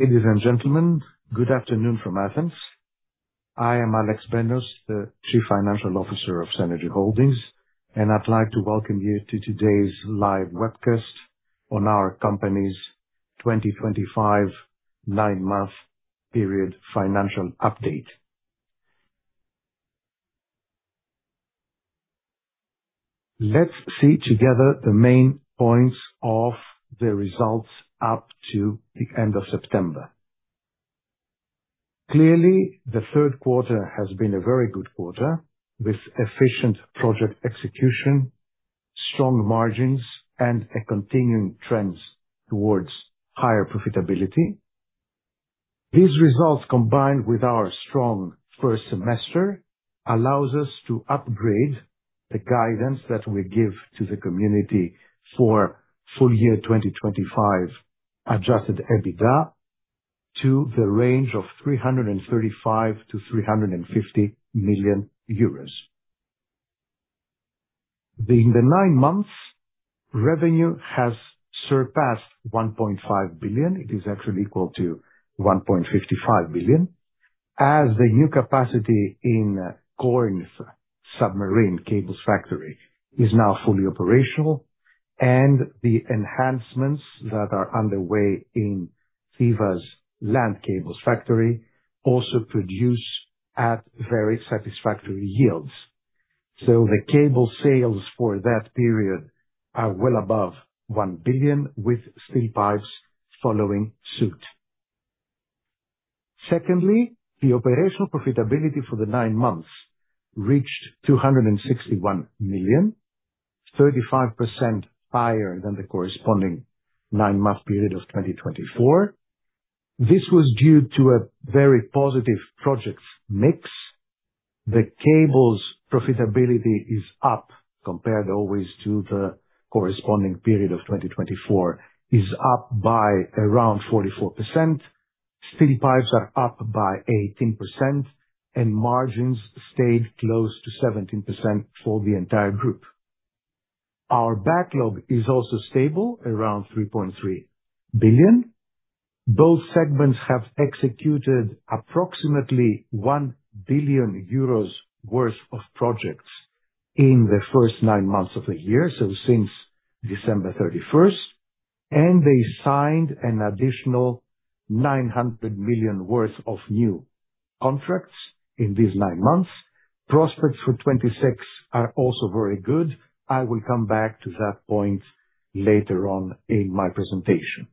Ladies and gentlemen, good afternoon from Athens. I am Alex Benos, the Chief Financial Officer of Cenergy Holdings, and I'd like to welcome you to today's live webcast on our company's 2025 nine-month period financial update. Let's see together the main points of the results up to the end of September. Clearly, the third quarter has been a very good quarter, with efficient project execution, strong margins, and continuing trends towards higher profitability. These results, combined with our strong first semester, allow us to upgrade the guidance that we give to the community for Full Year 2025 adjusted EBITDA to the range of 335 million-350 million euros. In the nine months, revenue has surpassed 1.5 billion. It is actually equal to 1.55 billion, as the new capacity in Corinth Submarine Cables Factory is now fully operational, and the enhancements that are underway in Thebes's Land Cables Factory also produce very satisfactory yields. The cable sales for that period are well above 1 billion, with steel pipes following suit. Secondly, the operational profitability for the nine months reached 261 million, 35% higher than the corresponding nine-month period of 2024. This was due to a very positive project mix. The cables' profitability is up, compared always to the corresponding period of 2024, is up by around 44%. Steel pipes are up by 18%, and margins stayed close to 17% for the entire group. Our backlog is also stable, around 3.3 billion. Both segments have executed approximately one billion euros worth of projects in the first nine months of the year, so since December 31st, and they signed an additional 900 million worth of new contracts in these nine months. Prospects for 2026 are also very good. I will come back to that point later on in my presentation.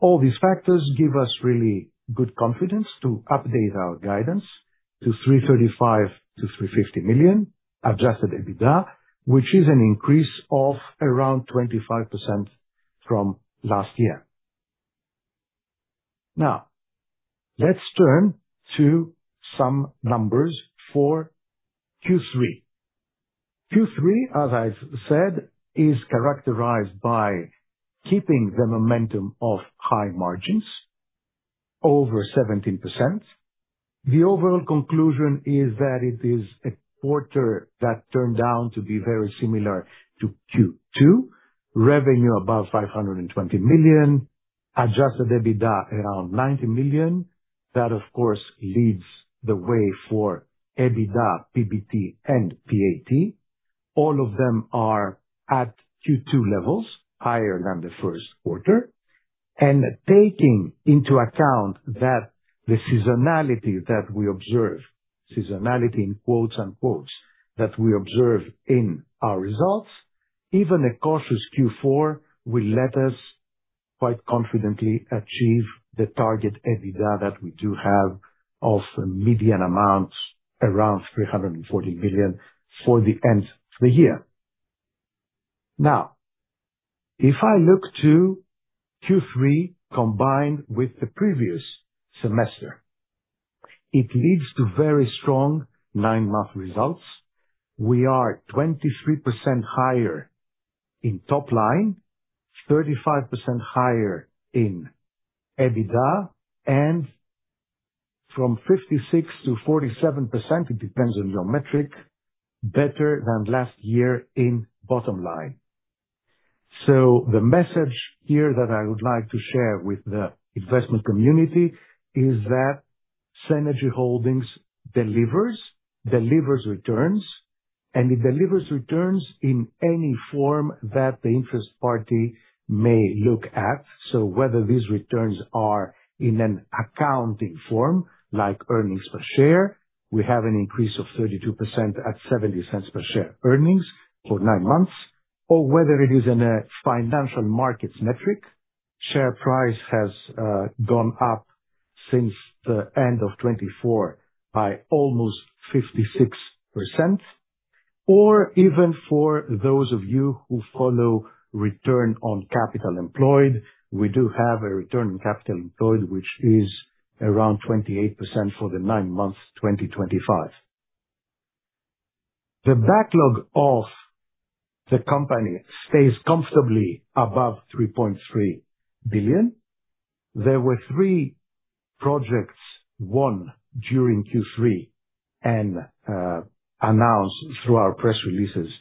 All these factors give us really good confidence to update our guidance to 335-350 million Adjusted EBITDA, which is an increase of around 25% from last year. Now, let's turn to some numbers for Q3. Q3, as I've said, is characterized by keeping the momentum of high margins over 17%. The overall conclusion is that it is a quarter that turned out to be very similar to Q2: revenue above 520 million, Adjusted EBITDA around 90 million. That, of course, leads the way for EBITDA, PBT, and PAT. All of them are at Q2 levels, higher than the first quarter. And taking into account the seasonality that we observe, "seasonality" in quotes, that we observe in our results, even a cautious Q4 will let us quite confidently achieve the target EBITDA that we do have of median amounts around 340 million for the end of the year. Now, if I look to Q3 combined with the previous semester, it leads to very strong nine-month results. We are 23% higher in top line, 35% higher in EBITDA, and from 56% to 47%, it depends on your metric, better than last year in bottom line. So the message here that I would like to share with the investment community is that Cenergy Holdings delivers, delivers returns, and it delivers returns in any form that the interested party may look at. Whether these returns are in an accounting form, like earnings per share, we have an increase of 32% at 0.70 per share earnings for nine months, or whether it is in a financial markets metric, share price has gone up since the end of 2024 by almost 56%. Or even for those of you who follow return on capital employed, we do have a return on capital employed, which is around 28% for the nine months 2025. The backlog of the company stays comfortably above 3.3 billion. There were three projects won during Q3 and announced through our press releases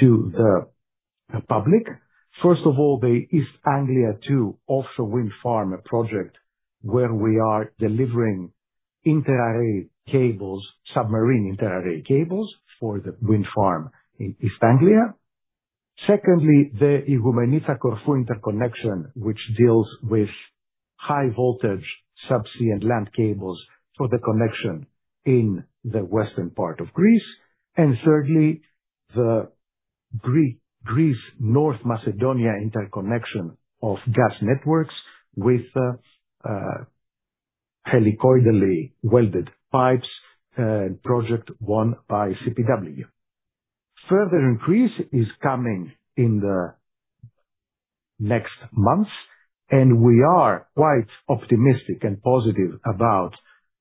to the public. First of all, the East Anglia II offshore wind farm project, where we are delivering interarray cables, submarine interarray cables for the wind farm in East Anglia. Secondly, the Igoumenitsa-Corfu interconnection, which deals with high-voltage subsea and land cables for the connection in the western part of Greece. And thirdly, the Greece-North Macedonia interconnection of gas networks with helicoidally welded pipes, project won by CPW. Further increase is coming in the next months, and we are quite optimistic and positive about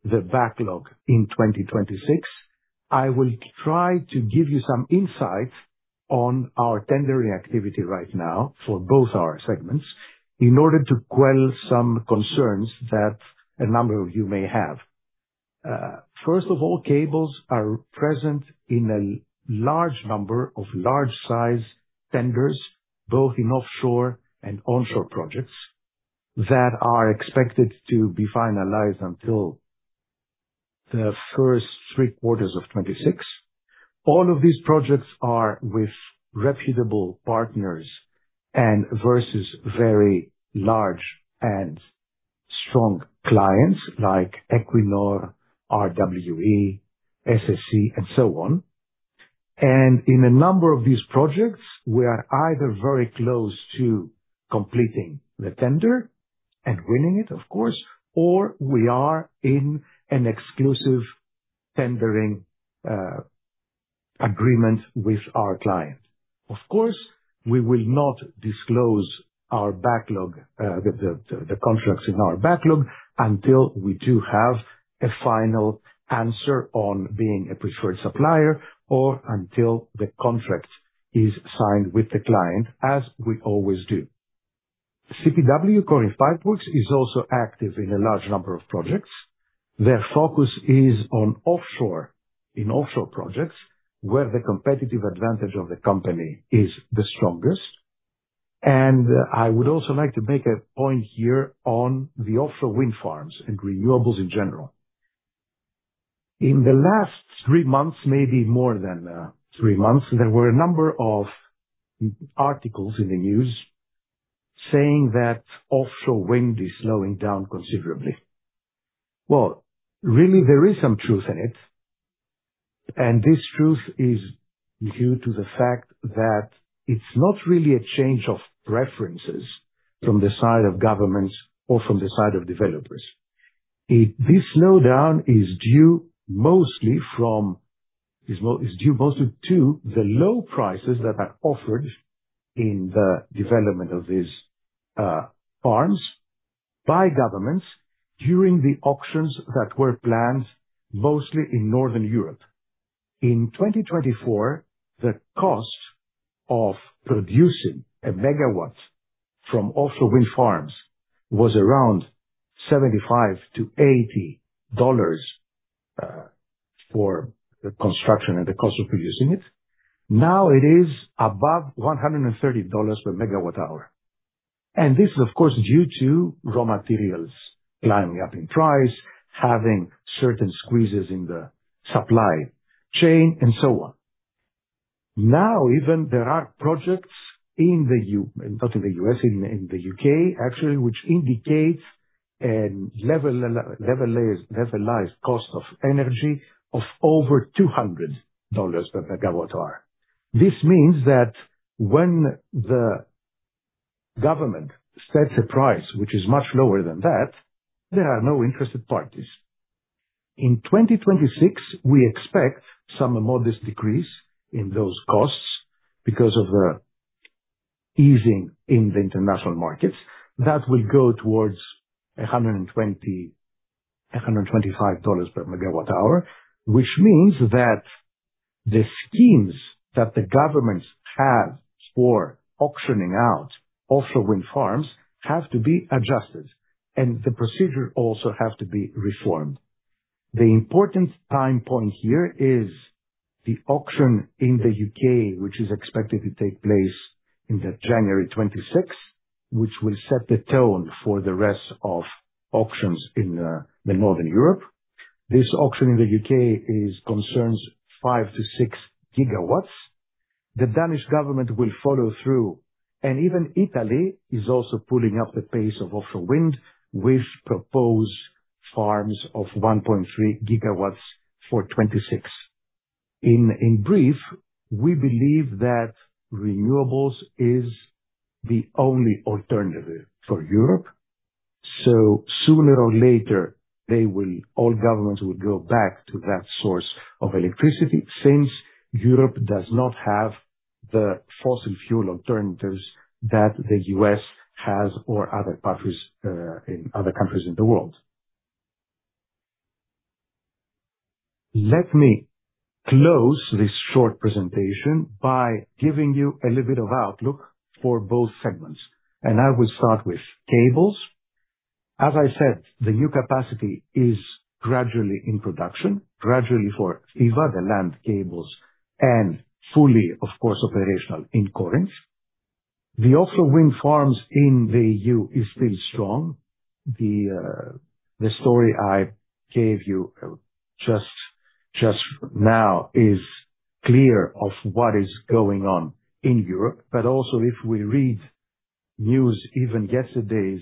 the backlog in 2026. I will try to give you some insight on our tendering activity right now for both our segments in order to quell some concerns that a number of you may have. First of all, cables are present in a large number of large-size tenders, both in offshore and onshore projects, that are expected to be finalized until the first three quarters of 2026. All of these projects are with reputable partners and versus very large and strong clients like Equinor, RWE, SSE, and so on. And in a number of these projects, we are either very close to completing the tender and winning it, of course, or we are in an exclusive tendering agreement with our client. Of course, we will not disclose our backlog, the contracts in our backlog, until we do have a final answer on being a preferred supplier or until the contract is signed with the client, as we always do. CPW, Corinth Pipeworks, is also active in a large number of projects. Their focus is on offshore, in offshore projects, where the competitive advantage of the company is the strongest. And I would also like to make a point here on the offshore wind farms and renewables in general. In the last three months, maybe more than three months, there were a number of articles in the news saying that offshore wind is slowing down considerably. Really, there is some truth in it, and this truth is due to the fact that it's not really a change of preferences from the side of governments or from the side of developers. This slowdown is due mostly to the low prices that are offered in the development of these farms by governments during the auctions that were planned mostly in Northern Europe. In 2024, the cost of producing a megawatt from offshore wind farms was around $75-$80 for the construction and the cost of producing it. Now it is above $130 per megawatt hour. This is, of course, due to raw materials climbing up in price, having certain squeezes in the supply chain, and so on. Now, even there are projects in the U.K., not in the U.S., in the U.K., actually, which indicate a levelized cost of energy of over $200 per megawatt hour. This means that when the government sets a price which is much lower than that, there are no interested parties. In 2026, we expect some modest decrease in those costs because of the easing in the international markets that will go towards $125 per megawatt hour, which means that the schemes that the governments have for auctioning out offshore wind farms have to be adjusted, and the procedures also have to be reformed. The important time point here is the auction in the U.K., which is expected to take place in January 2026, which will set the tone for the rest of auctions in Northern Europe. This auction in the U.K. concerns five to six gigawatts. The Danish government will follow through, and even Italy is also pulling up the pace of offshore wind with proposed farms of 1.3 GW for 2026. In brief, we believe that renewables is the only alternative for Europe, so sooner or later, they will, all governments will go back to that source of electricity since Europe does not have the fossil fuel alternatives that the U.S. has or other countries in the world. Let me close this short presentation by giving you a little bit of outlook for both segments, and I will start with cables. As I said, the new capacity is gradually in production, gradually for Thebes, the land cables, and fully, of course, operational in Corinth. The offshore wind farms in the E.U. are still strong. The story I gave you just now is clear of what is going on in Europe, but also if we read news even yesterday's,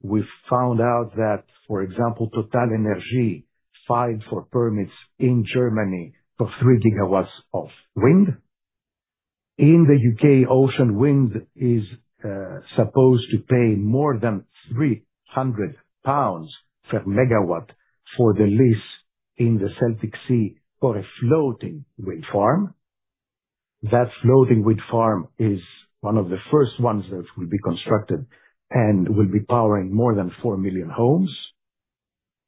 we found out that, for example, TotalEnergies filed for permits in Germany for three gigawatts of wind. In the U.K., ocean wind is supposed to pay more than 300 pounds per megawatt for the lease in the Celtic Sea for a floating wind farm. That floating wind farm is one of the first ones that will be constructed and will be powering more than four million homes.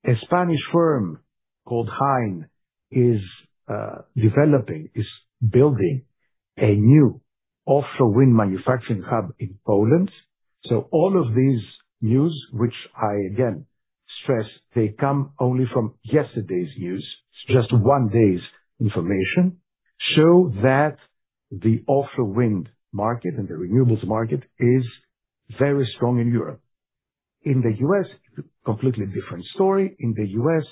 A Spanish firm called Hine is developing, is building a new offshore wind manufacturing hub in Poland. So all of these news, which I again stress, they come only from yesterday's news. It's just one day's information, show that the offshore wind market and the renewables market is very strong in Europe. In the U.S., completely different story. In the U.S.,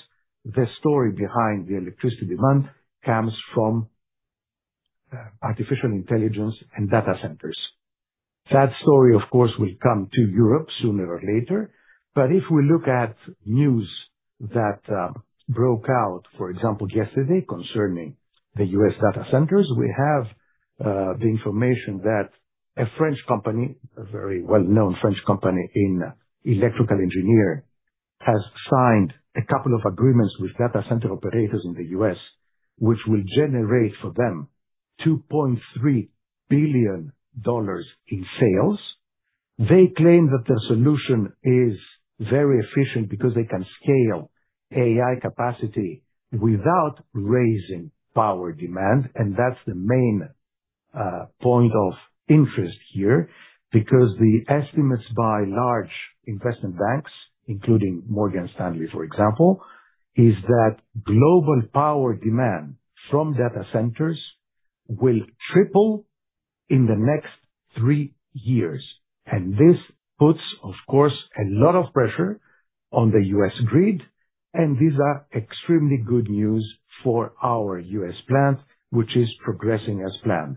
the story behind the electricity demand comes from artificial intelligence and data centers. That story, of course, will come to Europe sooner or later, but if we look at news that broke out, for example, yesterday concerning the U.S. data centers, we have the information that a French company, a very well-known French company in electrical engineering, has signed a couple of agreements with data center operators in the U.S., which will generate for them $2.3 billion in sales. They claim that their solution is very efficient because they can scale AI capacity without raising power demand, and that's the main point of interest here because the estimates by large investment banks, including Morgan Stanley, for example, is that global power demand from data centers will triple in the next three years, and this puts, of course, a lot of pressure on the U.S. grid. And these are extremely good news for our U.S. plant, which is progressing as planned.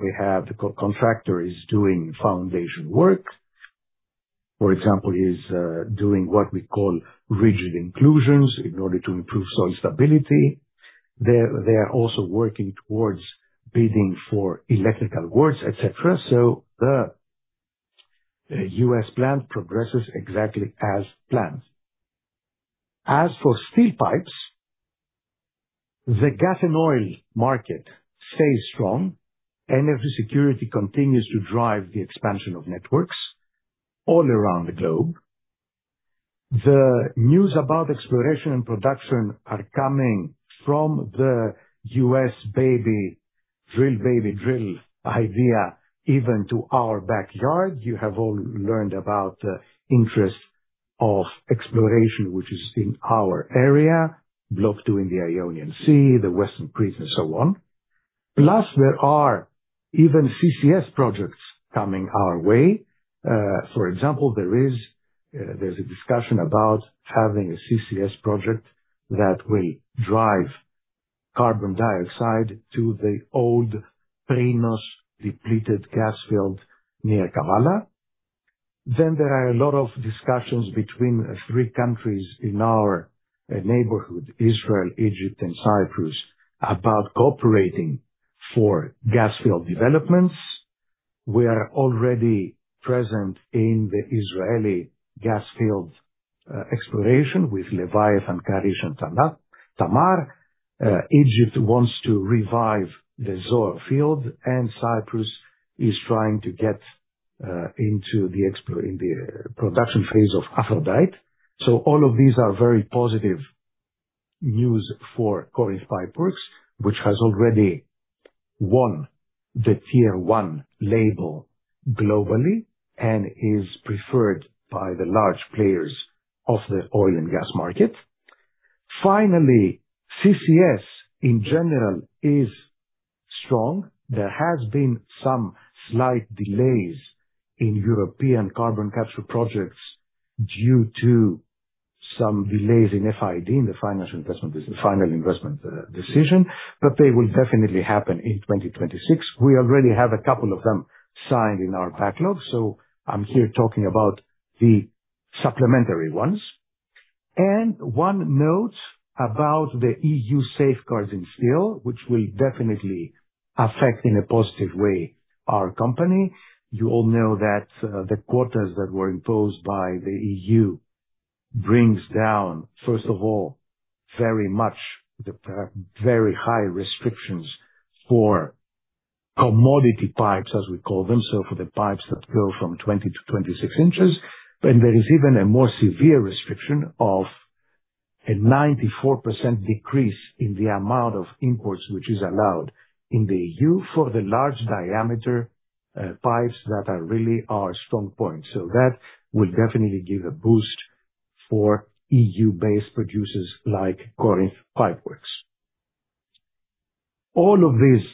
We have the contractor is doing foundation work. For example, he is doing what we call rigid inclusions in order to improve soil stability. They are also working towards bidding for electrical works, etc. So the U.S. plant progresses exactly as planned. As for steel pipes, the gas and oil market stays strong, and energy security continues to drive the expansion of networks all around the globe. The news about exploration and production are coming from the U.S. baby drill, baby drill idea even to our backyard. You have all learned about the interest of exploration, which is in our area, Block 2 in the Ionian Sea, Western Crete, and so on. Plus, there are even CCS projects coming our way. For example, there is a discussion about having a CCS project that will drive carbon dioxide to the old Prinos depleted gas field near Kavala. Then there are a lot of discussions between three countries in our neighborhood, Israel, Egypt, and Cyprus, about cooperating for gas field developments. We are already present in the Israeli gas field exploration with Leviathan, Karish, and Tamar. Egypt wants to revive the Zohr field, and Cyprus is trying to get into the production phase of Aphrodite. So all of these are very positive news for Corinth Pipeworks, which has already won the tier one label globally and is preferred by the large players of the oil and gas market. Finally, CCS in general is strong. There has been some slight delays in European carbon capture projects due to some delays in FID, in the financial investment, the final investment decision, but they will definitely happen in 2026. We already have a couple of them signed in our backlog, so I'm here talking about the supplementary ones. One note about the E.U. safeguards in steel, which will definitely affect in a positive way our company. You all know that the quotas that were imposed by the E.U. brings down, first of all, very much the very high restrictions for commodity pipes, as we call them, so for the pipes that go from 20-26 inches. There is even a more severe restriction of a 94% decrease in the amount of imports which is allowed in the E.U. for the large diameter pipes that are really our strong points. So that will definitely give a boost for E.U.-based producers like Corinth Pipeworks. All of these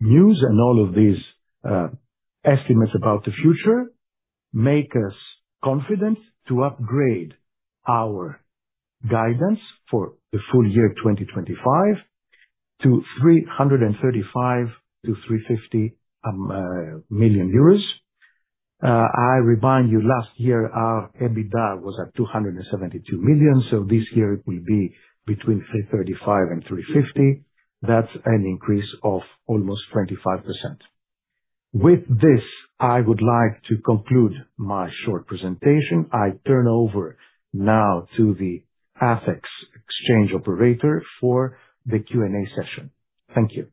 news and all of these estimates about the future make us confident to upgrade our guidance for the full year 2025 to 335million-350 million euros. I remind you last year our EBITDA was at 272 million, so this year it will be between 335 and 350. That's an increase of almost 25%. With this, I would like to conclude my short presentation. I turn over now to the ATHEX exchange operator for the Q&A session. Thank you.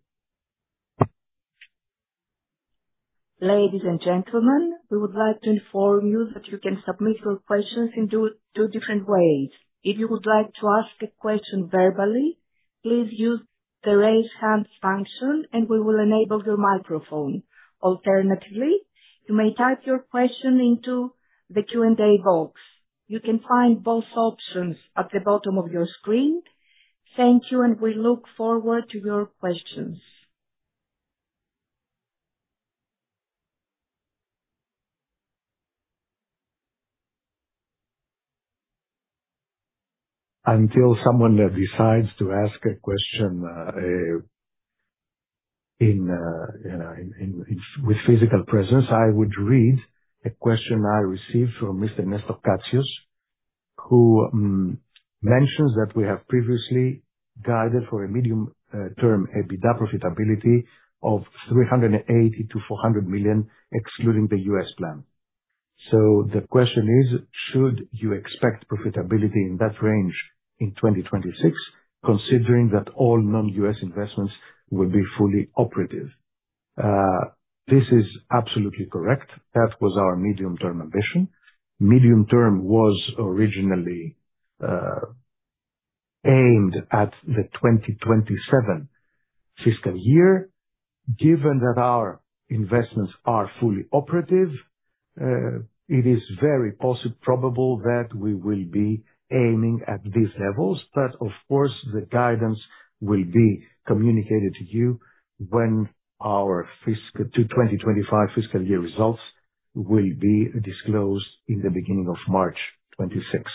Ladies and gentlemen, we would like to inform you that you can submit your questions in two different ways. If you would like to ask a question verbally, please use the raise hand function and we will enable your microphone. Alternatively, you may type your question into the Q&A box. You can find both options at the bottom of your screen. Thank you, and we look forward to your questions. Until someone decides to ask a question in with physical presence, I would read a question I received from Mr. Nestor Katsios, who mentions that we have previously guided for a medium-term EBITDA profitability of 380 million-400 million, excluding the U.S. plant. So the question is, should you expect profitability in that range in 2026, considering that all non-U.S. investments will be fully operative? This is absolutely correct. That was our medium-term ambition. Medium-term was originally aimed at the 2027 fiscal year. Given that our investments are fully operative, it is very possible, probable that we will be aiming at these levels. But of course, the guidance will be communicated to you when our 2025 fiscal year results will be disclosed in the beginning of March 2026.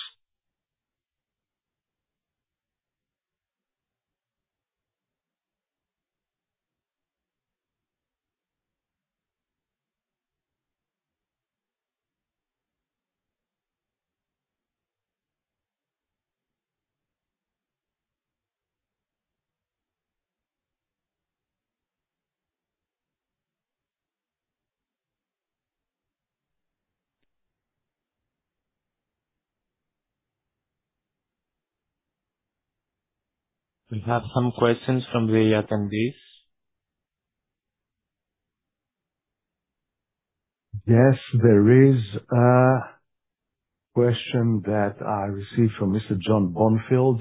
We have some questions from the attendees. Yes, there is a question that I received from Mr. John Bonfield.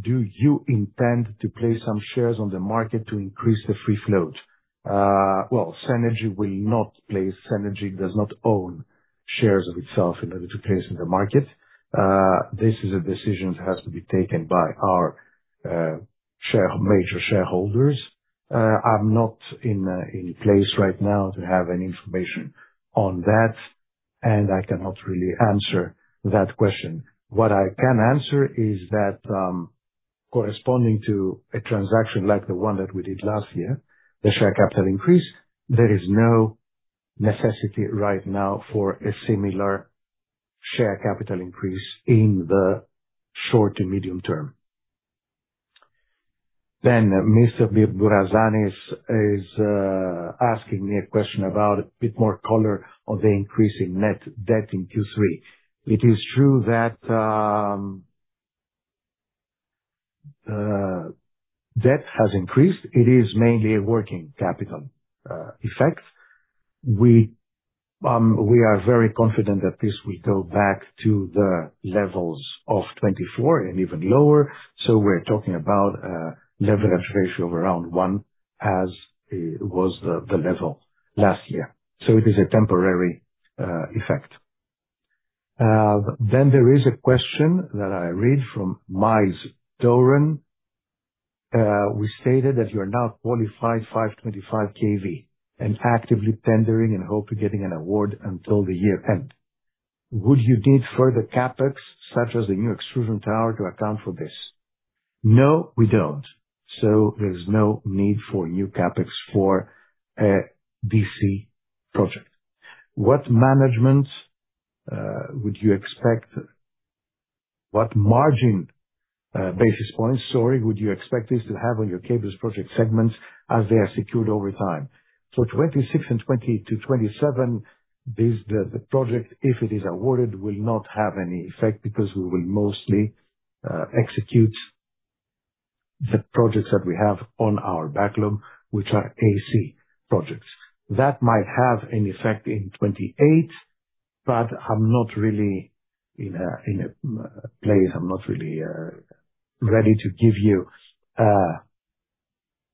Do you intend to place some shares on the market to increase the free float? Well, Cenergy will not place. Cenergy does not own shares of itself in order to place in the market. This is a decision that has to be taken by our major shareholders. I'm not in place right now to have any information on that, and I cannot really answer that question. What I can answer is that corresponding to a transaction like the one that we did last year, the share capital increase, there is no necessity right now for a similar share capital increase in the short to medium term. Then Mr. Bourazanis is asking me a question about a bit more color on the increase in net debt in Q3. It is true that debt has increased. It is mainly a working capital effect. We are very confident that this will go back to the levels of 24 and even lower. So we're talking about a leverage ratio of around one as it was the level last year. So it is a temporary effect. Then there is a question that I read from Miles Doran. We stated that you are now qualified 525 kV and actively tendering and hope to get an award until the year end. Would you need further CapEx such as the new extrusion tower to account for this? No, we don't. So there's no need for new CapEx for a DC project. What margin would you expect? What margin basis points, sorry, would you expect this to have on your cables project segments as they are secured over time? For 2026 and 2027, the project, if it is awarded, will not have any effect because we will mostly execute the projects that we have on our backlog, which are AC projects. That might have an effect in 2028, but I'm not really in a place. I'm not really ready to give you a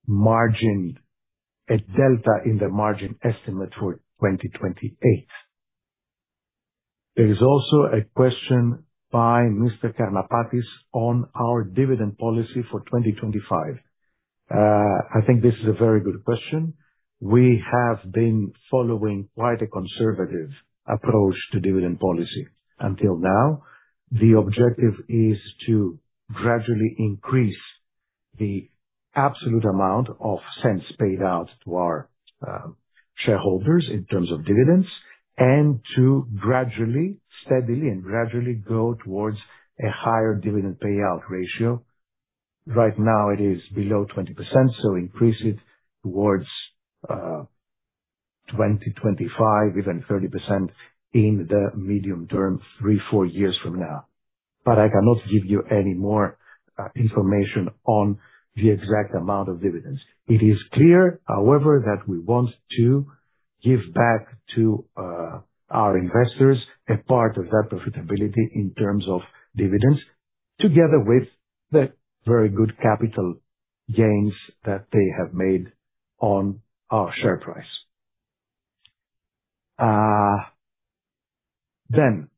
margin, a delta in the margin estimate for 2028. There is also a question by Mr. Karnampatis on our dividend policy for 2025. I think this is a very good question. We have been following quite a conservative approach to dividend policy until now. The objective is to gradually increase the absolute amount of cents paid out to our shareholders in terms of dividends and to gradually, steadily, and gradually go towards a higher dividend payout ratio. Right now, it is below 20%, so increase it towards 2025, even 30% in the medium term, three, four years from now. But I cannot give you any more information on the exact amount of dividends. It is clear, however, that we want to give back to our investors a part of that profitability in terms of dividends, together with the very good capital gains that they have made on our share price. Then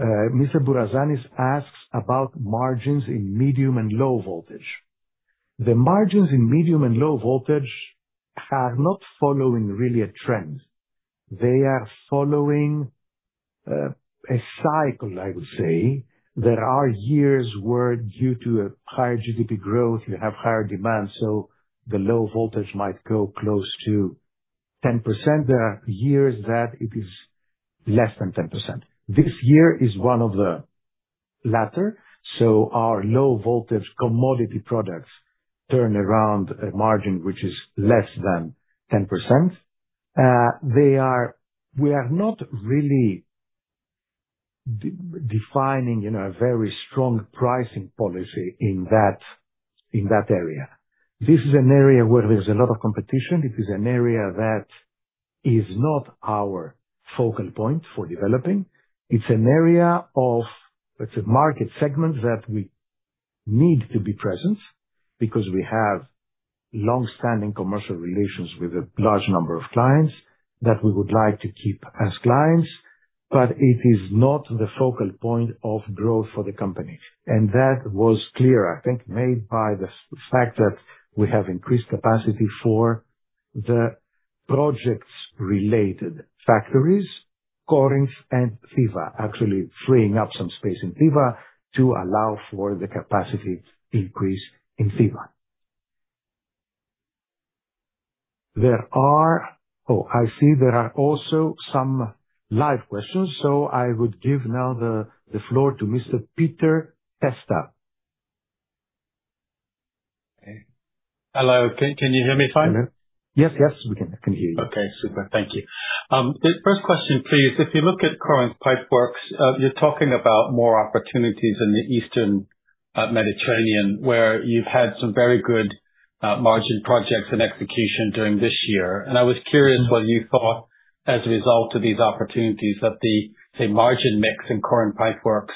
Mr. Bourazanis asks about margins in medium and low voltage. The margins in medium and low voltage are not following really a trend. They are following a cycle, I would say. There are years where due to higher GDP growth, you have higher demand, so the low voltage might go close to 10%. There are years that it is less than 10%. This year is one of the latter. So our low voltage commodity products turn around a margin which is less than 10%. We are not really defining a very strong pricing policy in that area. This is an area where there's a lot of competition. It is an area that is not our focal point for developing. It's an area of, let's say, market segments that we need to be present because we have long-standing commercial relations with a large number of clients that we would like to keep as clients, but it is not the focal point of growth for the company. And that was clear, I think, made by the fact that we have increased capacity for the projects related factories, Corinth and Thiva, actually freeing up some space in Thiva to allow for the capacity increase in Thiva. There are, oh, I see there are also some live questions, so I would give now the floor to Mr. Peter Testa. Hello, can you hear me fine? Yes, yes, we can hear you. Okay, super, thank you. First question, please. If you look at Corinth Pipeworks, you're talking about more opportunities in the Eastern Mediterranean where you've had some very good margin projects and execution during this year. And I was curious what you thought as a result of these opportunities that the, say, margin mix in Corinth Pipeworks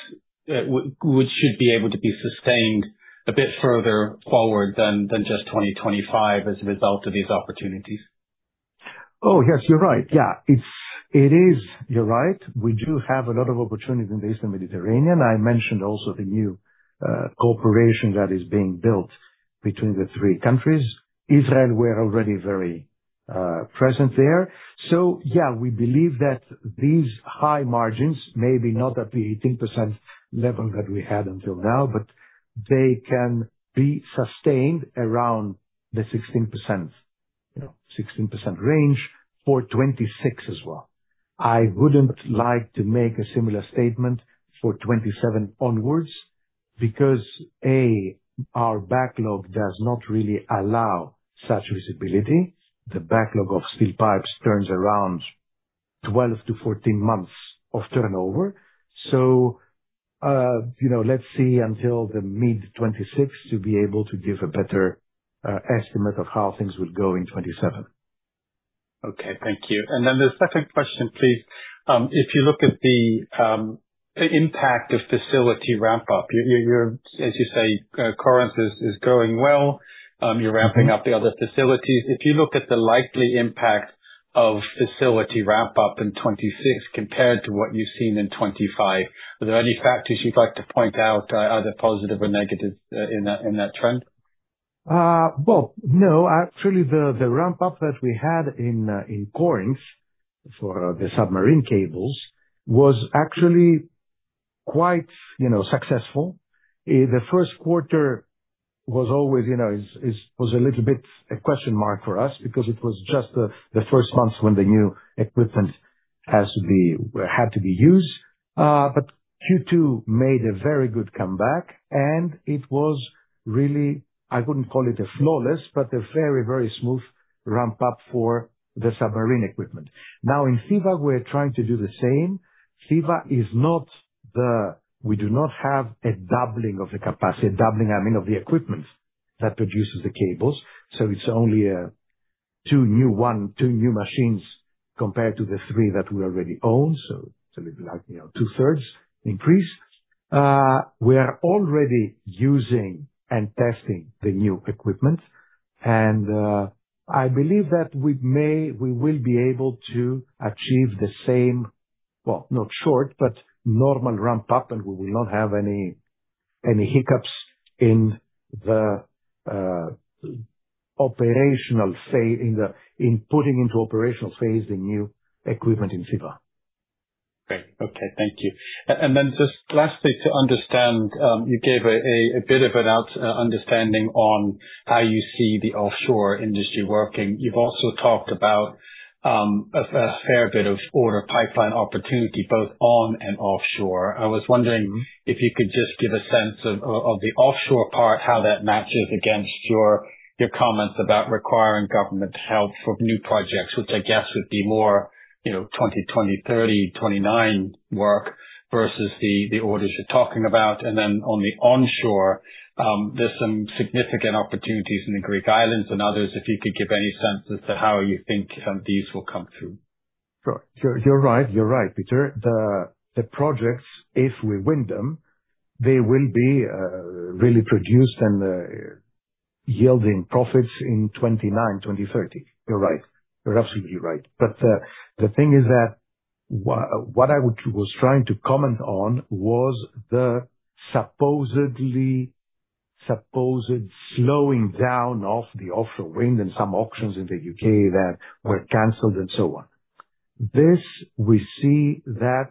should be able to be sustained a bit further forward than just 2025 as a result of these opportunities. Oh, yes, you're right. Yeah, it is, you're right. We do have a lot of opportunities in the Eastern Mediterranean. I mentioned also the new cooperation that is being built between the three countries. Israel were already very present there. So yeah, we believe that these high margins, maybe not at the 18% level that we had until now, but they can be sustained around the 16%, 16% range for 2026 as well. I wouldn't like to make a similar statement for 2027 onwards because, A, our backlog does not really allow such visibility. The backlog of steel pipes turns around 12 to 14 months of turnover. So let's see until the mid-2026 to be able to give a better estimate of how things will go in 2027. Okay, thank you. And then the second question, please. If you look at the impact of facility ramp-up, as you say, Corinth is going well. You're ramping up the other facilities. If you look at the likely impact of facility ramp-up in 2026 compared to what you've seen in 2025, are there any factors you'd like to point out, either positive or negative in that trend? Well, no, actually the ramp-up that we had in Corinth for the submarine cables was actually quite successful. The first quarter was always, it was a little bit a question mark for us because it was just the first months when the new equipment had to be used. But Q2 made a very good comeback, and it was really, I wouldn't call it a flawless, but a very, very smooth ramp-up for the submarine equipment. Now in Thebes, we're trying to do the same. Thebes is not the, we do not have a doubling of the capacity, a doubling, I mean, of the equipment that produces the cables. So it's only two new machines compared to the three that we already own. So it's a little like two-thirds increase. We are already using and testing the new equipment. And I believe that we will be able to achieve the same, well, not short, but normal ramp-up, and we will not have any hiccups in the operational phase, in putting into operational phase the new equipment in Thebes. Okay, okay, thank you. And then just lastly, to understand, you gave a bit of an understanding on how you see the offshore industry working. You've also talked about a fair bit of order pipeline opportunity both on and offshore. I was wondering if you could just give a sense of the offshore part, how that matches against your comments about requiring government help for new projects, which I guess would be more 2020, 2030, 2029 work versus the orders you're talking about. And then on the onshore, there's some significant opportunities in the Greek Islands and others. If you could give any sense as to how you think these will come through. Sure, sure. You're right, you're right, Peter. The projects, if we win them, they will be really produced and yielding profits in 29, 2030. You're right. You're absolutely right. But the thing is that what I was trying to comment on was the supposedly slowing down of the offshore wind and some auctions in the U.K. that were canceled and so on. This we see that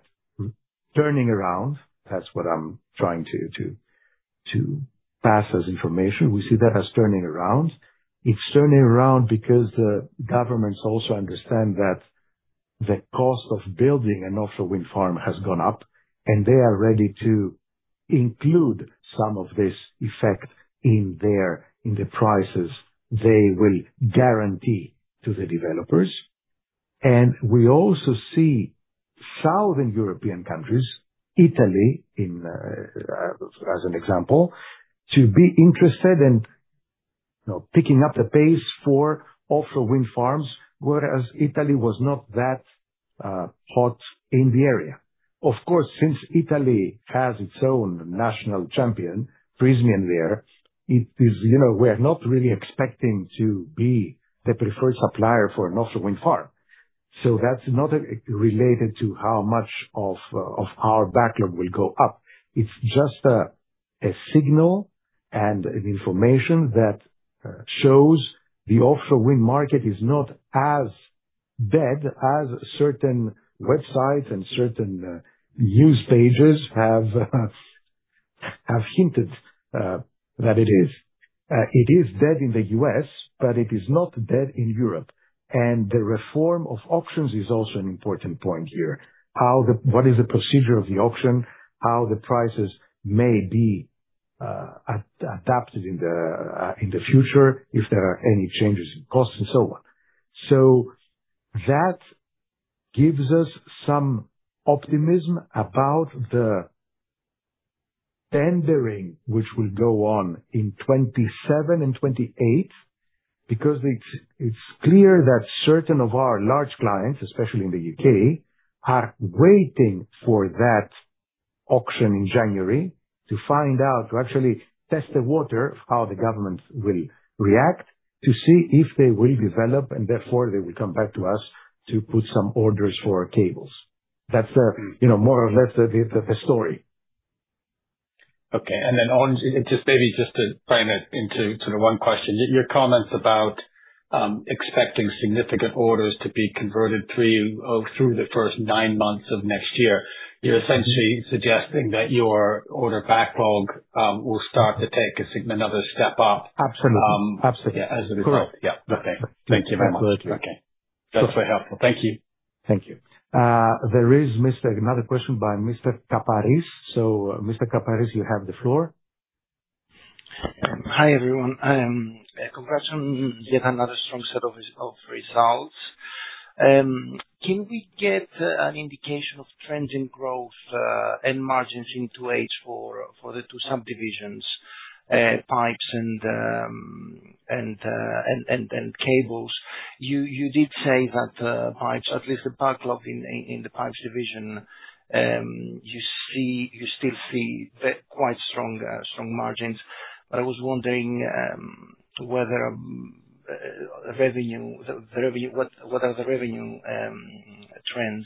turning around, that's what I'm trying to pass as information. We see that as turning around. It's turning around because the governments also understand that the cost of building an offshore wind farm has gone up, and they are ready to include some of this effect in the prices they will guarantee to the developers. And we also see southern European countries, Italy as an example, to be interested in picking up the pace for offshore wind farms, whereas Italy was not that hot in the area. Of course, since Italy has its own national champion, Prysmian there, we're not really expecting to be the preferred supplier for an offshore wind farm. So that's not related to how much of our backlog will go up. It's just a signal and an information that shows the offshore wind market is not as dead as certain websites and certain news pages have hinted that it is. It is dead in the U.S., but it is not dead in Europe, and the reform of auctions is also an important point here. What is the procedure of the auction, how the prices may be adapted in the future if there are any changes in costs and so on, so that gives us some optimism about the tendering which will go on in 2027 and 2028 because it's clear that certain of our large clients, especially in the U.K., are waiting for that auction in January to find out, to actually test the water of how the government will react to see if they will develop and therefore they will come back to us to put some orders for cables. That's more or less the story. Okay. Then just maybe just to frame it into sort of one question, your comments about expecting significant orders to be converted through the first nine months of next year, you're essentially suggesting that your order backlog will start to take another step up. Absolutely. Absolutely. Yeah, as a result. Correct. Yeah. Okay. Thank you very much. Absolutely. Okay. That's very helpful. Thank you. Thank you. There is another question by Mr. Kaparis. So Mr. Kaparis, you have the floor. Hi everyone. Congrats on yet another strong set of results. Can we get an indication of trends in growth and margins in 2028 for the two subdivisions, pipes and cables? You did say that pipes, at least the backlog in the pipes division, you still see quite strong margins. But I was wondering whether the revenue, what are the revenue trends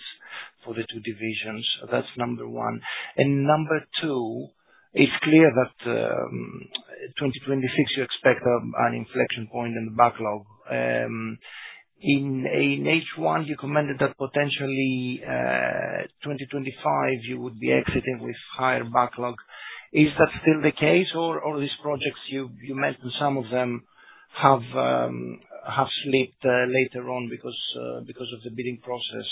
for the two divisions? That's number one. And number two, it's clear that 2026, you expect an inflection point in the backlog. In H1, you commented that potentially 2025, you would be exiting with higher backlog. Is that still the case, or these projects you mentioned, some of them have slipped later on because of the bidding process?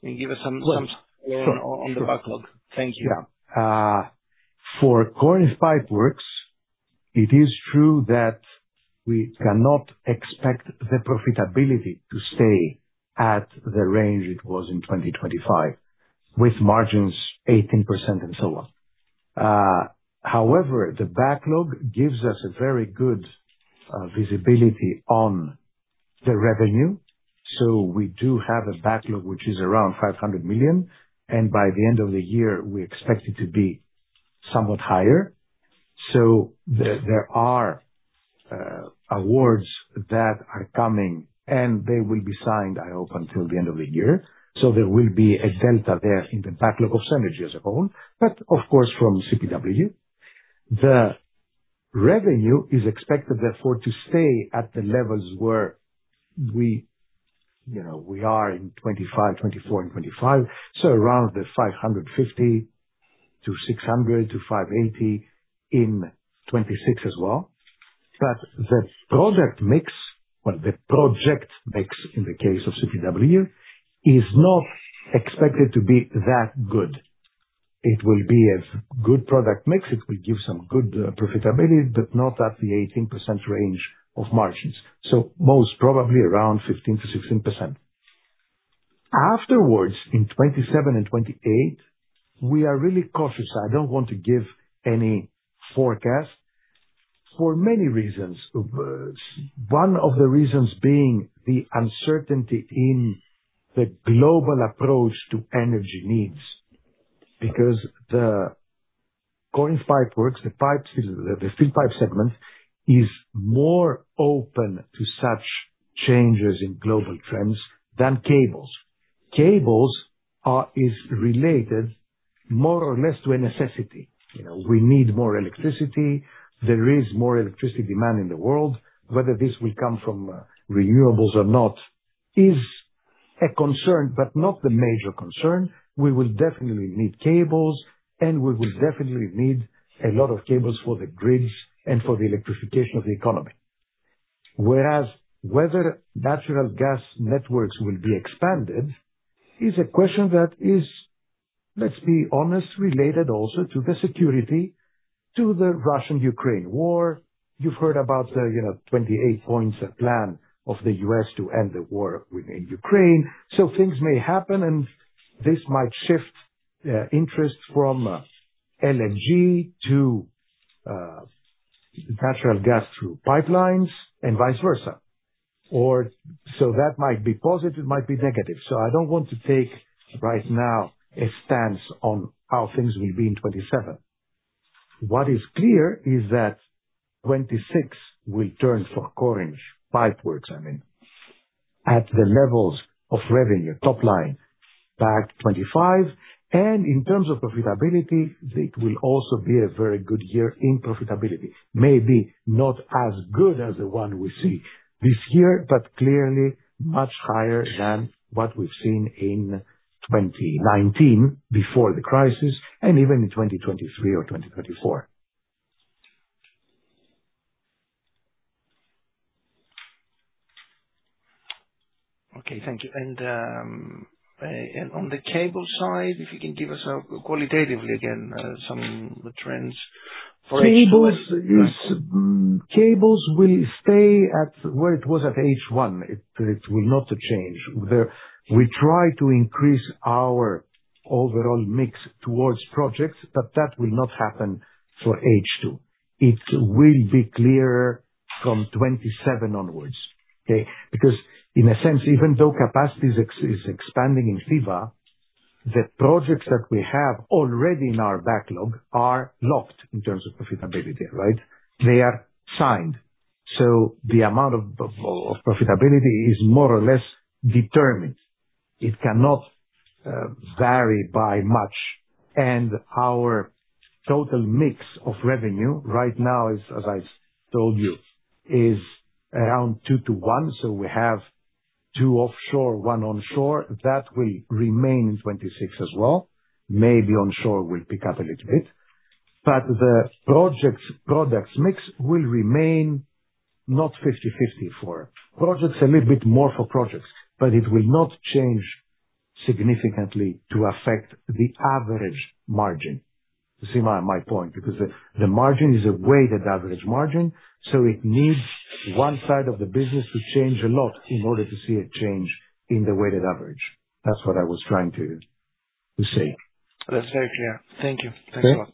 Can you give us some on the backlog? Thank you. Yeah. For Corinth Pipeworks, it is true that we cannot expect the profitability to stay at the range it was in 2025 with margins 18% and so on. However, the backlog gives us a very good visibility on the revenue. So we do have a backlog which is around 500 million. And by the end of the year, we expect it to be somewhat higher. So there are awards that are coming, and they will be signed, I hope, until the end of the year. There will be a delta there in the backlog of synergy as a whole, but of course from CPW. The revenue is expected therefore to stay at the levels where we are in 2025, 2024, and 2025, so around EUR550-600 million to 580 million in 2026 as well. But the product mix, well, the project mix in the case of CPW is not expected to be that good. It will be a good product mix. It will give some good profitability, but not at the 18% range of margins. So most probably around 15%-16%. Afterwards, in 2027 and 2028, we are really cautious. I don't want to give any forecast for many reasons. One of the reasons being the uncertainty in the global approach to energy needs because the Corinth Pipeworks, the pipes, the steel pipe segment is more open to such changes in global trends than cables. Cables is related more or less to a necessity. We need more electricity. There is more electricity demand in the world. Whether this will come from renewables or not is a concern, but not the major concern. We will definitely need cables, and we will definitely need a lot of cables for the grids and for the electrification of the economy. Whereas whether natural gas networks will be expanded is a question that is, let's be honest, related also to the security to the Russian-Ukraine war. You've heard about the 28-point plan of the U.S. to end the war in Ukraine. So things may happen, and this might shift interest from LNG to natural gas through pipelines and vice versa. Or so that might be positive, might be negative. So I don't want to take right now a stance on how things will be in 2027. What is clear is that 2026 will turn for Corinth Pipeworks, I mean, at the levels of revenue, top line back 2025. And in terms of profitability, it will also be a very good year in profitability. Maybe not as good as the one we see this year, but clearly much higher than what we've seen in 2019 before the crisis and even in 2023 or 2024. Okay, thank you. And on the cable side, if you can give us qualitatively again some trends for H1? Cables will stay at where it was at H1. It will not change. We try to increase our overall mix towards projects, but that will not happen for H2. It will be clearer from 2027 onwards. Okay. Because in a sense, even though capacity is expanding in Thebes, the projects that we have already in our backlog are locked in terms of profitability, right? They are signed. So the amount of profitability is more or less determined. It cannot vary by much. And our total mix of revenue right now, as I told you, is around two to one. So we have two offshore, one onshore. That will remain in 2026 as well. Maybe onshore will pick up a little bit. But the project products mix will remain not 50-50 for projects, a little bit more for projects, but it will not change significantly to affect the average margin. You see my point because the margin is a weighted average margin. So it needs one side of the business to change a lot in order to see a change in the weighted average. That's what I was trying to say. That's very clear. Thank you. Thanks a lot.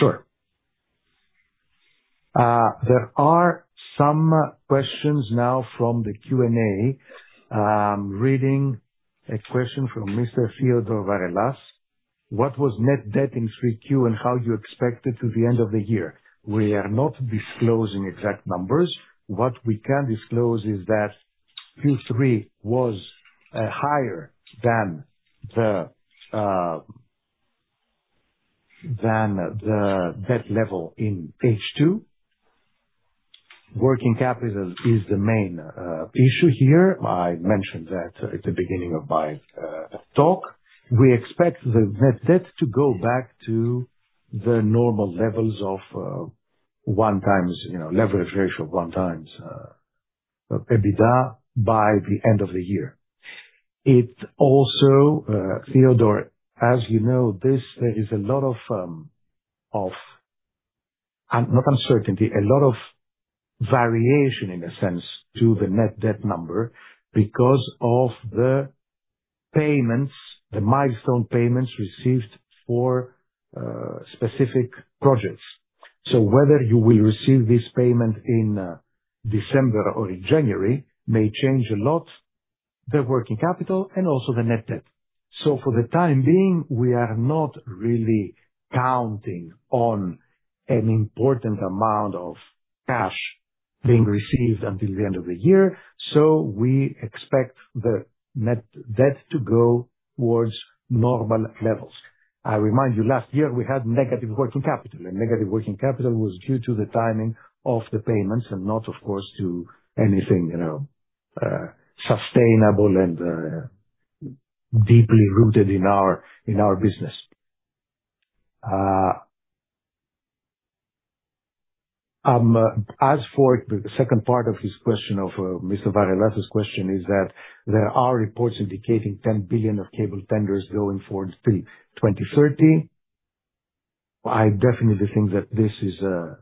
Sure. There are some questions now from the Q&A. I'm reading a question from Mr. Theodore Varelas. What was net debt in 3Q and how you expect it to the end of the year? We are not disclosing exact numbers. What we can disclose is that Q3 was higher than the debt level in H2. Working capital is the main issue here. I mentioned that at the beginning of my talk. We expect the net debt to go back to the normal levels of one times leverage ratio, one times EBITDA by the end of the year. It also, Theodore, as you know, there is a lot of uncertainty, a lot of variation in a sense to the net debt number because of the payments, the milestone payments received for specific projects. So whether you will receive this payment in December or in January may change a lot the working capital and also the net debt. So for the time being, we are not really counting on an important amount of cash being received until the end of the year. So we expect the net debt to go towards normal levels. I remind you, last year we had negative working capital, and negative working capital was due to the timing of the payments and not, of course, to anything sustainable and deeply rooted in our business. As for the second part of his question of Mr. Varelas, his question is that there are reports indicating 10 billion of cable tenders going forward till 2030. I definitely think that this is a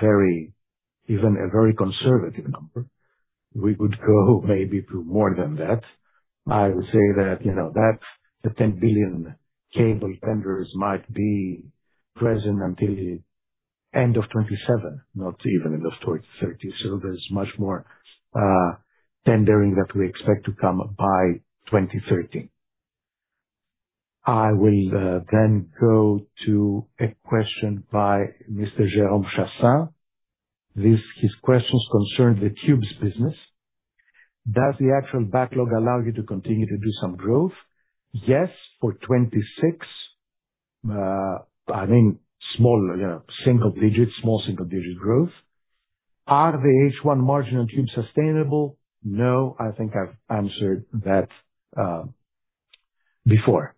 very, even a very conservative number. We would go maybe to more than that. I would say that that 10 billion cable tenders might be present until the end of 2027, not even end of 2030. So there's much more tendering that we expect to come by 2030. I will then go to a question by Mr. Jérôme Chassin. His questions concern the tubes business. Does the actual backlog allow you to continue to do some growth? Yes, for 2026. I mean, small, single digit, small, single digit growth. Are the H1 margin on tubes sustainable? No, I think I've answered that before.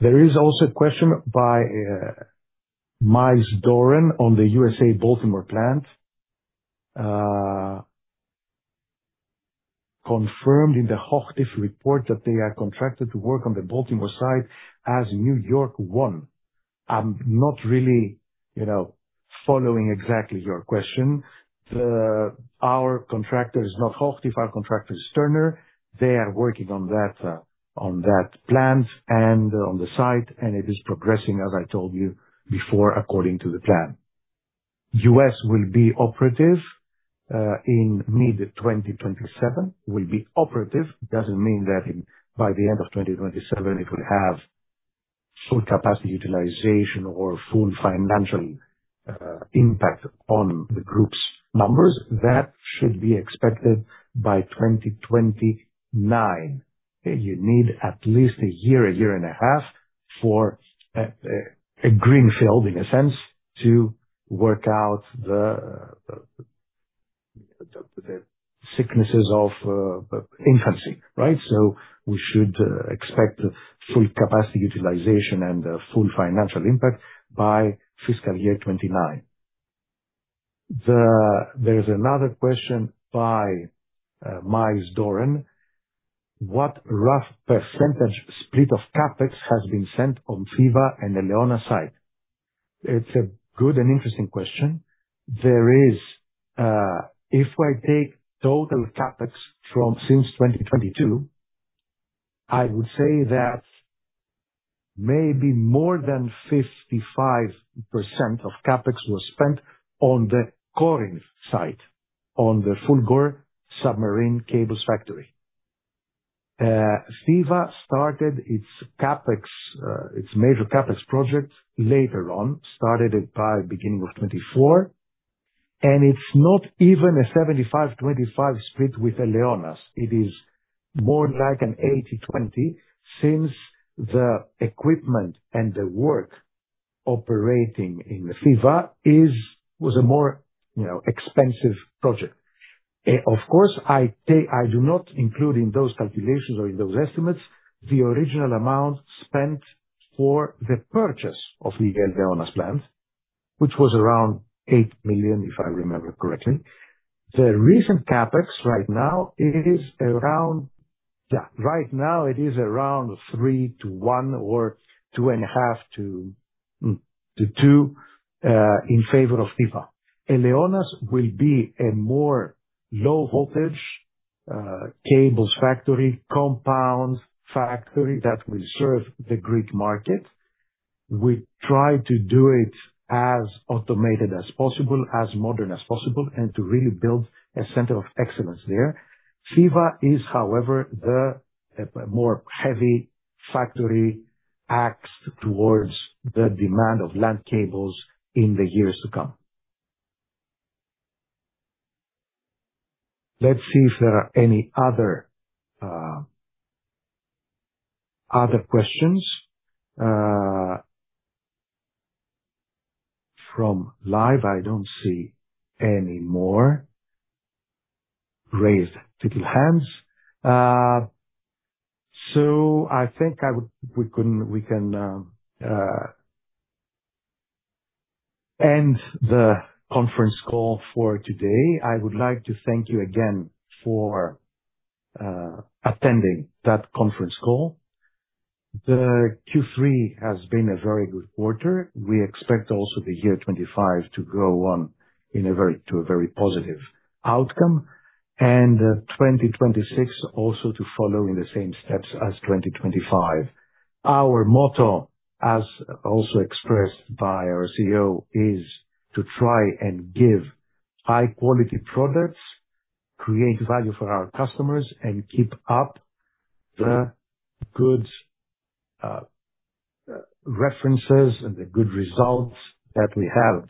There is also a question by Miles Doren on the U.S. Baltimore plant. Confirmed in the Hochtief report that they are contracted to work on the Baltimore site as New York 1. I'm not really following exactly your question. Our contractor is not Hochtief. Our contractor is Turner. They are working on that plant and on the site, and it is progressing, as I told you before, according to the plan. U.S. will be operative in mid-2027. Will be operative. Doesn't mean that by the end of 2027, it will have full capacity utilization or full financial impact on the group's numbers. That should be expected by 2029. You need at least a year, a year and a half for a greenfield, in a sense, to work out the sicknesses of infancy, right? So we should expect full capacity utilization and full financial impact by fiscal year 29. There's another question by Miles Doren. What rough percentage split of CapEx has been spent on Thebes and Eleonas site? It's a good and interesting question. There is, if I take total CapEx since 2022, I would say that maybe more than 55% of CapEx was spent on the Corinth site, on the Fulgor Submarine Cables Factory. Thebes started its CapEx, its major CapEx project later on, started it by the beginning of 2024. It's not even a 75-25 split with Eleonas. It is more like an 80-20 since the equipment and the work operating in Thebes was a more expensive project. Of course, I do not include in those calculations or in those estimates the original amount spent for the purchase of the Eleonas plant, which was around 8 million, if I remember correctly. The recent CapEx right now is around, yeah, right now it is around three to one or two and a half to two in favor of Thiva. Eleonas will be a more low-voltage cables factory, compound factory that will serve the Greek market. We try to do it as automated as possible, as modern as possible, and to really build a center of excellence there. Thiva is, however, the more heavy factory axed towards the demand of land cables in the years to come. Let's see if there are any other questions. From live, I don't see any more raised little hands. So I think we can end the conference call for today. I would like to thank you again for attending that conference call. The Q3 has been a very good quarter. We expect also the year 2025 to go on to a very positive outcome and 2026 also to follow in the same steps as 2025. Our motto, as also expressed by our CEO, is to try and give high-quality products, create value for our customers, and keep up the good references and the good results that we have.